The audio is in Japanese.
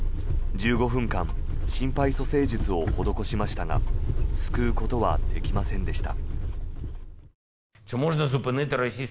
１５分間心肺蘇生術を施しましたが救うことはできませんでした。